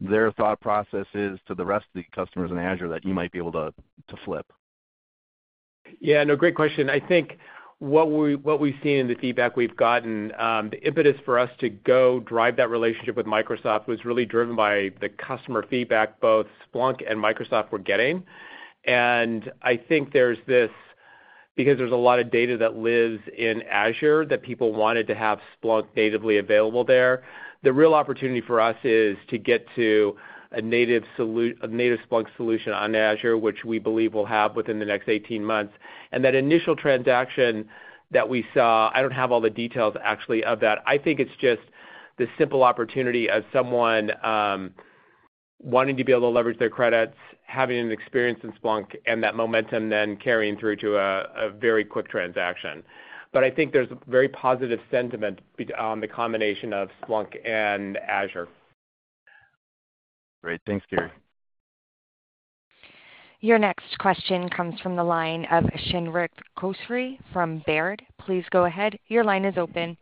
their thought process is to the rest of the customers in Azure that you might be able to flip. Yeah, no, great question. I think what we, what we've seen in the feedback we've gotten, the impetus for us to go drive that relationship with Microsoft was really driven by the customer feedback both Splunk and Microsoft were getting. I think there's this because there's a lot of data that lives in Azure that people wanted to have Splunk natively available there. The real opportunity for us is to get to a native Splunk solution on Azure, which we believe we'll have within the next 18 months. That initial transaction that we saw, I don't have all the details actually of that. I think it's just the simple opportunity of someone wanting to be able to leverage their credits, having an experience in Splunk, and that momentum then carrying through to a very quick transaction. I think there's a very positive sentiment on the combination of Splunk and Azure. Great. Thanks, Gary. Your next question comes from the line of Shrenik Kothari from Baird. Please go ahead. Your line is open.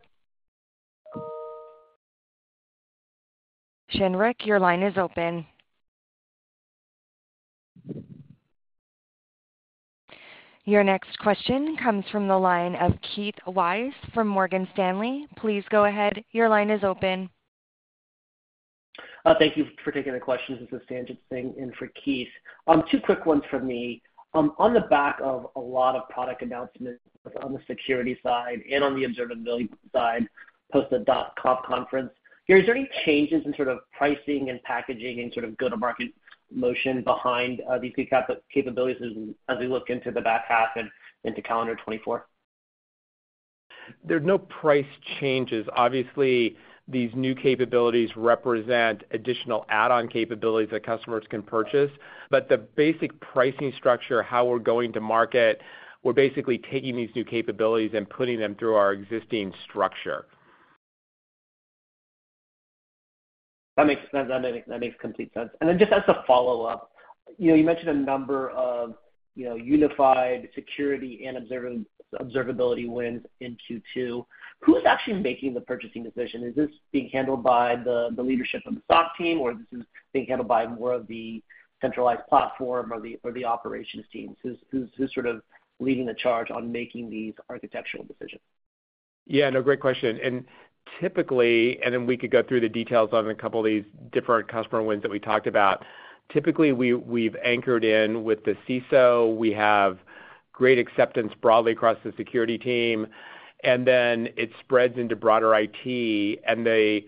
Shrenik, your line is open. Your next question comes from the line of Keith Weiss from Morgan Stanley. Please go ahead. Your line is open. Thank you for taking the questions. This is Sanjit Singh in for Keith. 2 quick ones from me. On the back of a lot of product announcements on the security side and on the observability side, post the .conf conference, Gary, is there any changes in sort of pricing and packaging and sort of go-to-market motion behind these capabilities as we look into the back half and into calendar 2024? There's no price changes. Obviously, these new capabilities represent additional add-on capabilities that customers can purchase. The basic pricing structure, how we're going to market, we're basically taking these new capabilities and putting them through our existing structure. That makes sense. That makes, that makes complete sense. Then just as a follow-up, you know, you mentioned a number of, you know, unified security and observability wins in Q2. Who's actually making the purchasing decision? Is this being handled by the, the leadership from the SOC team, or this is being handled by more of the centralized platform or the, or the operations teams? Who's, who's, who's sort of leading the charge on making these architectural decisions? Yeah, no, great question. Typically, and then we could go through the details on a couple of these different customer wins that we talked about. Typically, we, we've anchored in with the CISO. We have great acceptance broadly across the security team, and then it spreads into broader IT, and the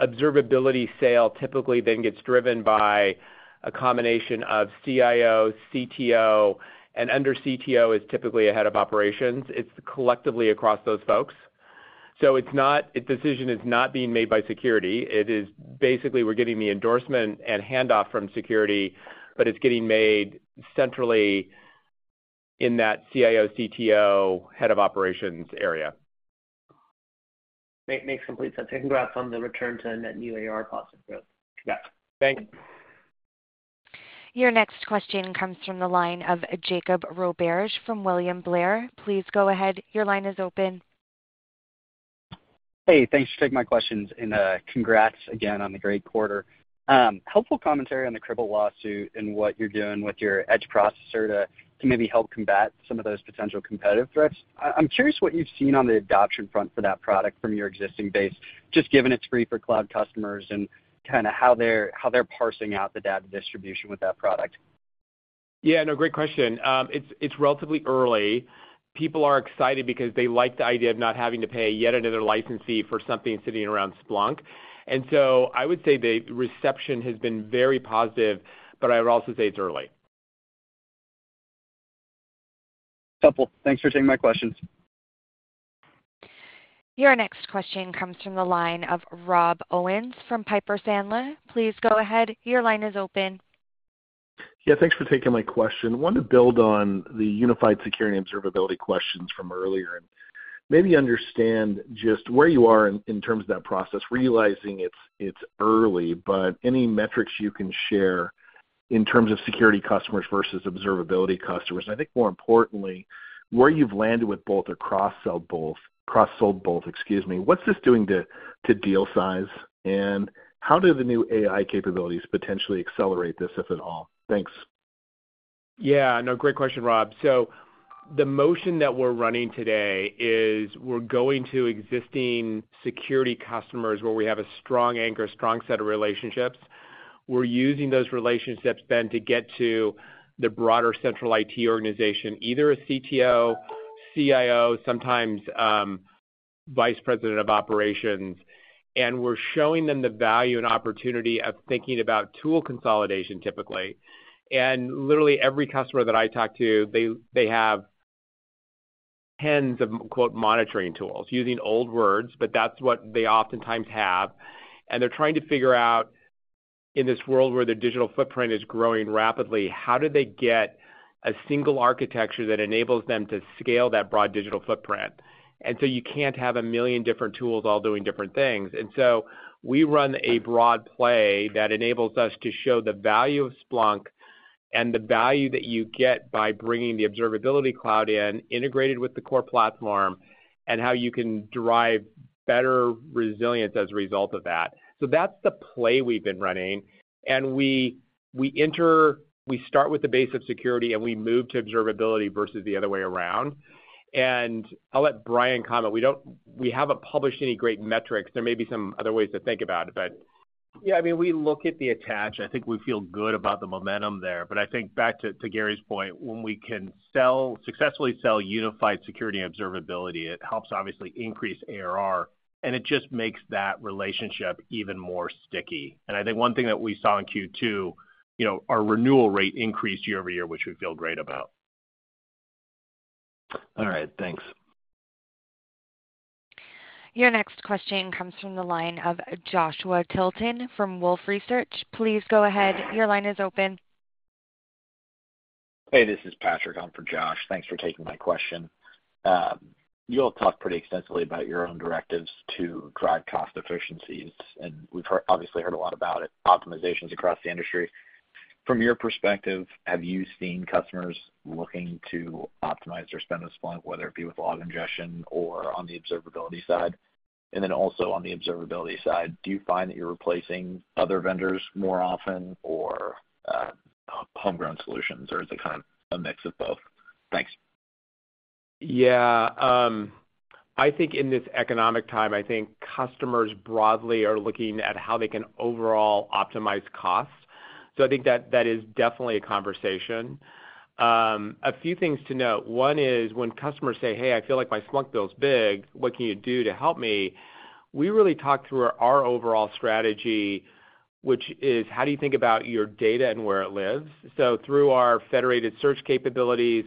observability sale typically then gets driven by a combination of CIO, CTO, and under CTO is typically a head of operations. It's collectively across those folks. The decision is not being made by security. It is basically, we're getting the endorsement and handoff from security, but it's getting made centrally in that CIO, CTO, head of operations area. Makes complete sense. Congrats on the return to net new ARR positive growth. Yeah. Thanks. Your next question comes from the line of Jake Roberge from William Blair. Please go ahead. Your line is open. Hey, thanks for taking my questions, and congrats again on the great quarter. Helpful commentary on the Cribl lawsuit and what you're doing with your Edge Processor to, to maybe help combat some of those potential competitive threats. I, I'm curious what you've seen on the adoption front for that product from your existing base, just given it's free for cloud customers and kind of how they're, how they're parsing out the data distribution with that product? Yeah, no, great question. It's, it's relatively early. People are excited because they like the idea of not having to pay yet another licensee for something sitting around Splunk. So I would say the reception has been very positive, but I would also say it's early. Helpful. Thanks for taking my questions. Your next question comes from the line of Rob Owens from Piper Sandler. Please go ahead. Your line is open. Yeah, thanks for taking my question. I wanted to build on the unified security and observability questions from earlier, and maybe understand just where you are in, in terms of that process, realizing it's, it's early, but any metrics you can share in terms of security customers versus observability customers, and I think more importantly, where you've landed with both or cross-sold both, excuse me. What's this doing to, to deal size, and how do the new AI capabilities potentially accelerate this, if at all? Thanks. Yeah. No, great question, Rob. The motion that we're running today is we're going to existing security customers where we have a strong anchor, strong set of relationships. We're using those relationships then to get to the broader central IT organization, either a CTO, CIO, sometimes, vice president of operations. We're showing them the value and opportunity of thinking about tool consolidation, typically. Literally every customer that I talk to, they, they have tens of, quote, "monitoring tools," using old words, but that's what they oftentimes have. They're trying to figure out, in this world where their digital footprint is growing rapidly, how do they get a single architecture that enables them to scale that broad digital footprint? You can't have 1 million different tools all doing different things. We run a broad play that enables us to show the value of Splunk and the value that you get by bringing the Observability Cloud in, integrated with the core platform, and how you can derive better resilience as a result of that. That's the play we've been running, and we start with the base of security, and we move to observability versus the other way around. I'll let Brian comment. We haven't published any great metrics. There may be some other ways to think about it, but. Yeah, I mean, we look at the attach. I think we feel good about the momentum there. I think back to, to Gary's point, when we can successfully sell unified security and observability, it helps obviously increase ARR, it just makes that relationship even more sticky. I think one thing that we saw in Q2, you know, our renewal rate increased year-over-year, which we feel great about. All right. Thanks. Your next question comes from the line of Joshua Tilton from Wolfe Research. Please go ahead. Your line is open. Hey, this is Patrick on for Josh. Thanks for taking my question. You all talked pretty extensively about your own directives to drive cost efficiencies, and obviously heard a lot about it, optimizations across the industry. From your perspective, have you seen customers looking to optimize their spend with Splunk, whether it be with log ingestion or on the observability side? Then also on the observability side, do you find that you're replacing other vendors more often or homegrown solutions, or is it kind of a mix of both? Thanks. Yeah, I think in this economic time, I think customers broadly are looking at how they can overall optimize costs. I think that, that is definitely a conversation. A few things to note. One is when customers say, "Hey, I feel like my Splunk bill's big, what can you do to help me?" We really talk through our overall strategy, which is: How do you think about your data and where it lives? Through our federated search capabilities,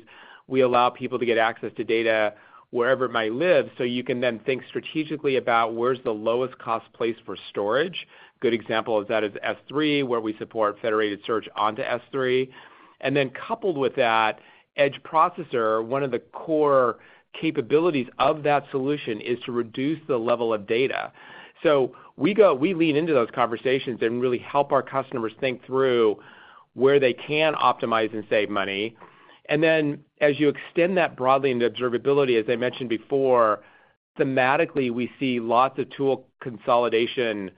we allow people to get access to data wherever it might live, so you can then think strategically about where's the lowest cost place for storage. Good example of that is S3, where we support federated search onto S3. Coupled with that, Edge Processor, one of the core capabilities of that solution is to reduce the level of data. We lean into those conversations and really help our customers think through where they can optimize and save money. As you extend that broadly into observability, as I mentioned before, thematically, we see lots of tool consolidation,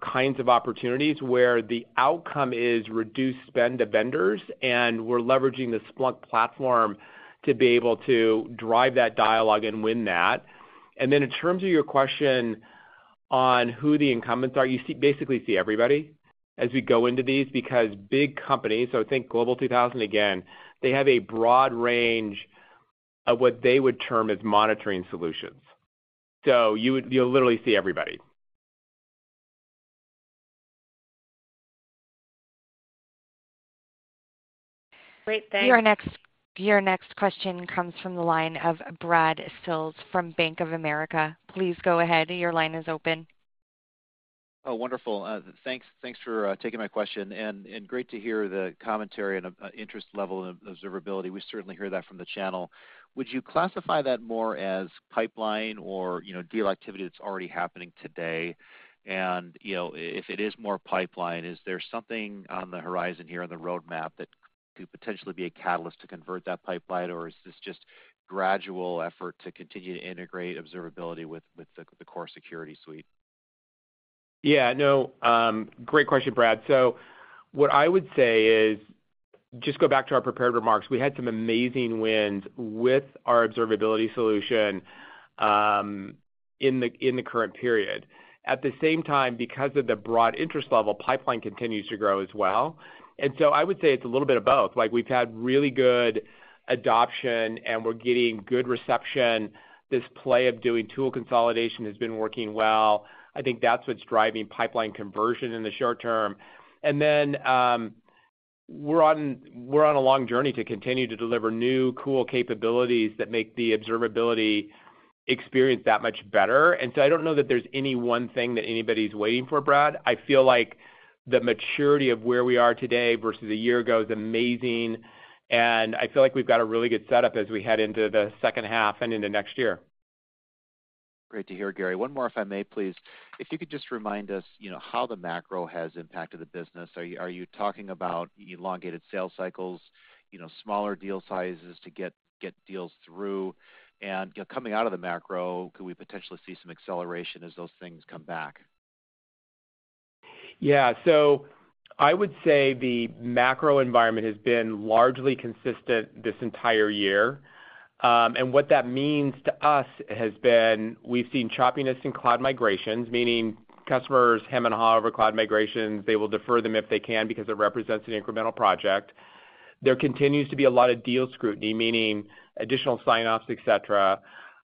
kinds of opportunities where the outcome is reduced spend to vendors, and we're leveraging the Splunk platform to be able to drive that dialogue and win that. In terms of your question on who the incumbents are, basically see everybody as we go into these, because big companies, so think Global 2000 again, they have a broad range of what they would term as monitoring solutions. You would, you'll literally see everybody. Great, thanks. Your next question comes from the line of Brad Sills from Bank of America. Please go ahead. Your line is open. Oh, wonderful. thanks for taking my question, and great to hear the commentary and interest level of observability. We certainly hear that from the channel. Would you classify that more as pipeline or, you know, deal activity that's already happening today? you know, if it is more pipeline, is there something on the horizon here on the roadmap that could potentially be a catalyst to convert that pipeline, or is this just gradual effort to continue to integrate observability with the core security suite? Yeah. No, great question, Brad. What I would say is, just go back to our prepared remarks. We had some amazing wins with our observability solution in the current period. At the same time, because of the broad interest level, pipeline continues to grow as well. I would say it's a little bit of both. Like, we've had really good adoption, and we're getting good reception. This play of doing tool consolidation has been working well. I think that's what's driving pipeline conversion in the short term. Then, we're on, we're on a long journey to continue to deliver new, cool capabilities that make the observability experience that much better. I don't know that there's any one thing that anybody's waiting for, Brad. I feel like the maturity of where we are today versus a year ago is amazing, and I feel like we've got a really good setup as we head into the second half and into next year. Great to hear, Gary. One more, if I may please. If you could just remind us, you know, how the macro has impacted the business. Are you, are you talking about elongated sales cycles, you know, smaller deal sizes to get, get deals through? You know, coming out of the macro, could we potentially see some acceleration as those things come back? Yeah. I would say the macro environment has been largely consistent this entire year. What that means to us has been we've seen choppiness in cloud migrations, meaning customers hem and haw over cloud migrations. They will defer them if they can, because it represents an incremental project. There continues to be a lot of deal scrutiny, meaning additional sign-offs, et cetera.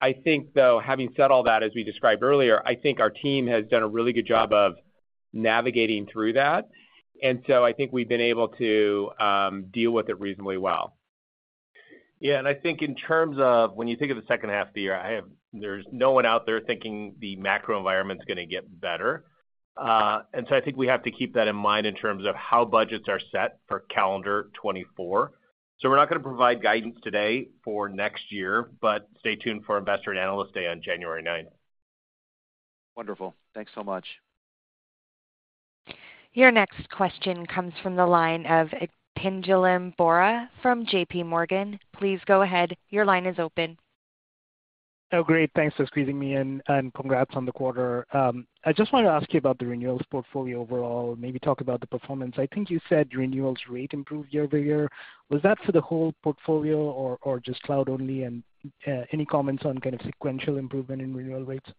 I think, though, having said all that, as we described earlier, I think our team has done a really good job of navigating through that. I think we've been able to deal with it reasonably well. Yeah, and I think in terms of when you think of the second half of the year, there's no one out there thinking the macro environment's going to get better. I think we have to keep that in mind in terms of how budgets are set for calendar 2024. We're not going to provide guidance today for next year, but stay tuned for Investor & Analyst Session on January 9th. Wonderful. Thanks so much. Your next question comes from the line of Pinjalim Bora from JP Morgan. Please go ahead. Your line is open. Oh, great, thanks for squeezing me in, and congrats on the quarter. I just want to ask you about the renewals portfolio overall, maybe talk about the performance. I think you said renewals rate improved year-over-year. Was that for the whole portfolio or, or just cloud only? any comments on kind of sequential improvement in renewal rates?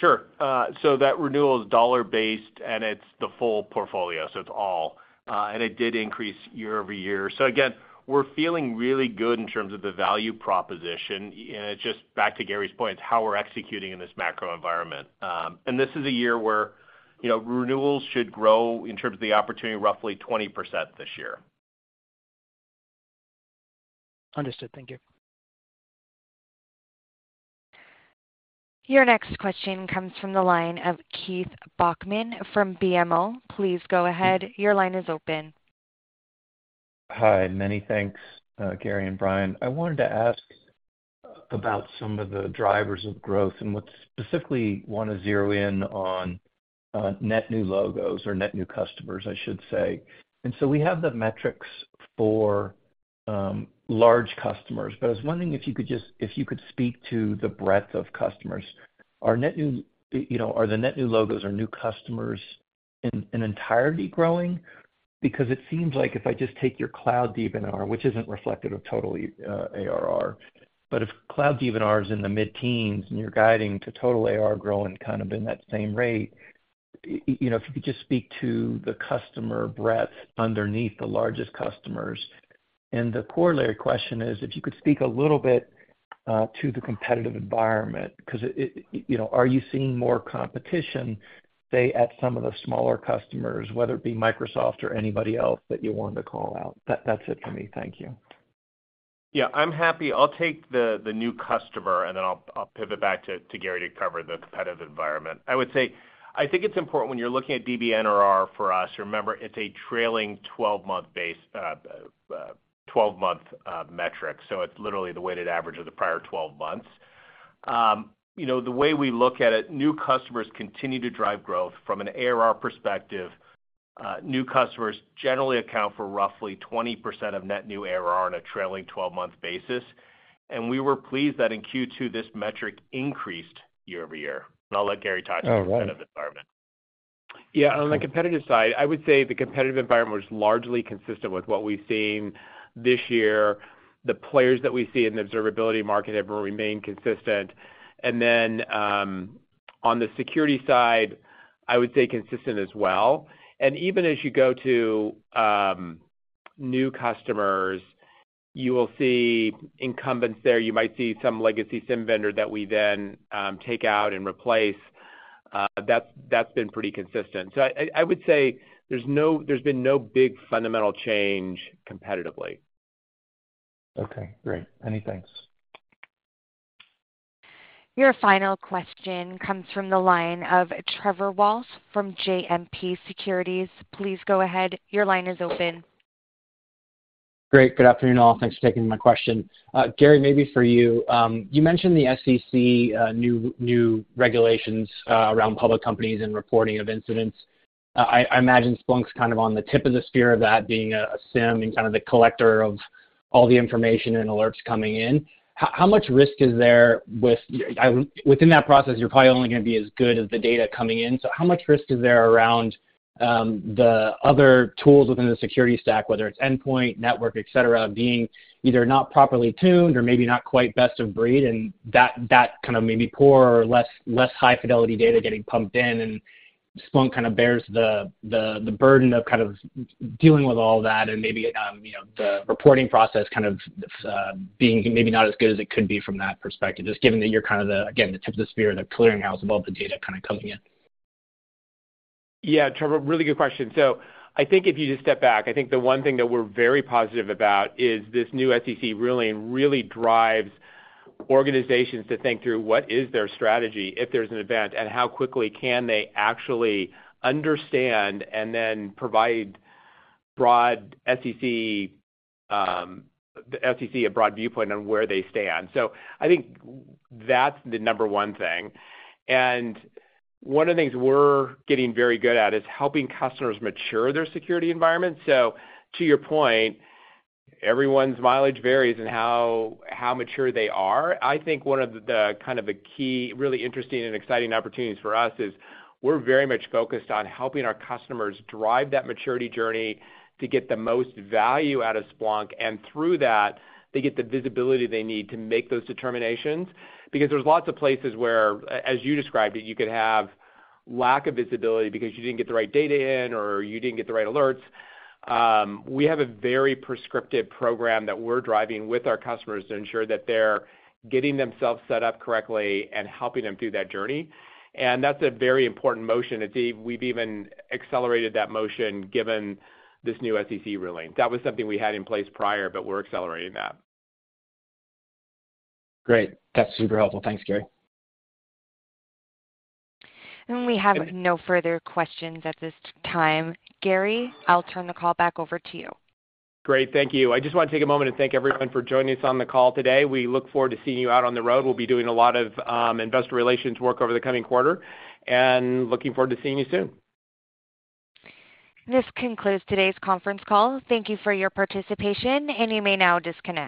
Sure. That renewal is dollar-based, and it's the full portfolio, so it's all, and it did increase year-over-year. Again, we're feeling really good in terms of the value proposition. It's just back to Gary's point, it's how we're executing in this macro environment. This is a year where, you know, renewals should grow in terms of the opportunity, roughly 20% this year. Understood. Thank you. Your next question comes from the line of Keith Bachman from BMO. Please go ahead. Your line is open. Hi, many thanks, Gary and Brian. I wanted to ask about some of the drivers of growth, and would specifically want to zero in on, net new logos or net new customers, I should say. So we have the metrics for large customers, but I was wondering if you could speak to the breadth of customers. Are net new, you know, are the net new logos or new customers in, in entirety growing? Because it seems like if I just take your Cloud DBNRR, which isn't reflective of total ARR, but if Cloud DBNRR is in the mid-teens and you're guiding to total ARR growing kind of in that same rate, you know, if you could just speak to the customer breadth underneath the largest customers. The corollary question is, if you could speak a little bit to the competitive environment, 'cause you know, are you seeing more competition, say, at some of the smaller customers, whether it be Microsoft or anybody else that you want to call out? That's it for me. Thank you. Yeah, I'm happy. I'll take the new customer, and then I'll pivot back to Gary to cover the competitive environment. I would say, I think it's important when you're looking at DBNRR for us, remember, it's a trailing 12-month base, 12-month metric, so it's literally the weighted average of the prior 12 months. You know, the way we look at it, new customers continue to drive growth from an ARR perspective. New customers generally account for roughly 20% of net new ARR on a trailing 12-month basis. We were pleased that in Q2, this metric increased year-over-year, and I'll let Gary talk to the competitive environment. All right. Yeah, on the competitive side, I would say the competitive environment was largely consistent with what we've seen this year. The players that we see in the observability market have remained consistent. Then, on the security side, I would say consistent as well. Even as you go to new customers, you will see incumbents there. You might see some legacy SIEM vendor that we then take out and replace. That's, that's been pretty consistent. I, I would say there's been no big fundamental change competitively. Okay, great. Many thanks. Your final question comes from the line of Trevor Walsh from JMP Securities. Please go ahead. Your line is open. Great. Good afternoon, all. Thanks for taking my question. Gary, maybe for you. You mentioned the SEC, new, new regulations, around public companies and reporting of incidents.... I imagine Splunk's kind of on the tip of the spear of that, being a SIEM and kind of the collector of all the information and alerts coming in. How, how much risk is there within that process, you're probably only gonna be as good as the data coming in, so how much risk is there around the other tools within the security stack, whether it's endpoint, network, et cetera, being either not properly tuned or maybe not quite best of breed, and that, that kind of maybe poor or less, less high-fidelity data getting pumped in, and Splunk kind of bears the, the, the burden of kind of dealing with all that and maybe, you know, the reporting process kind of being maybe not as good as it could be from that perspective, just given that you're kind of the, again, the tip of the spear, the clearinghouse of all the data kind of coming in? Yeah, Trevor, really good question. I think if you just step back, I think the one thing that we're very positive about is this new SEC ruling really drives organizations to think through what is their strategy if there's an event, and how quickly can they actually understand and then provide broad SEC, the SEC a broad viewpoint on where they stand. I think that's the number one thing. One of the things we're getting very good at is helping customers mature their security environment. To your point, everyone's mileage varies in how, how mature they are. I think one of the, kind of the key, really interesting and exciting opportunities for us is we're very much focused on helping our customers drive that maturity journey to get the most value out of Splunk, and through that, they get the visibility they need to make those determinations. Because there's lots of places where as you described it, you could have lack of visibility because you didn't get the right data in or you didn't get the right alerts. We have a very prescriptive program that we're driving with our customers to ensure that they're getting themselves set up correctly and helping them through that journey, and that's a very important motion, and we've even accelerated that motion given this new SEC ruling. That was something we had in place prior, but we're accelerating that. Great. That's super helpful. Thanks, Gary. We have no further questions at this time. Gary, I'll turn the call back over to you. Great. Thank you. I just want to take a moment and thank everyone for joining us on the call today. We look forward to seeing you out on the road. We'll be doing a lot of investor relations work over the coming quarter, and looking forward to seeing you soon. This concludes today's conference call. Thank you for your participation, and you may now disconnect.